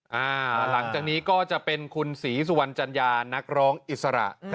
หลังจากนี้ก็จะเป็นคุณศรีสุวรรณจัญญานักร้องอิสระ